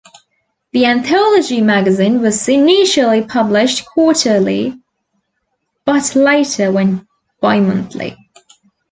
The anthology magazine was initially published quarterly but later went bimonthly.